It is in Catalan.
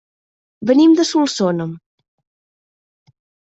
Venim de Solsona.